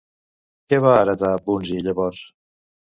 Què va heretar Bunzi llavors?